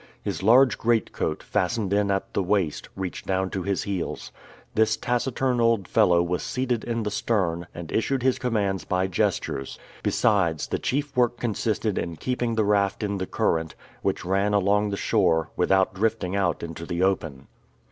His large great coat, fastened in at the waist, reached down to his heels. This taciturn old fellow was seated in the stern, and issued his commands by gestures. Besides, the chief work consisted in keeping the raft in the current, which ran along the shore, without drifting out into the open.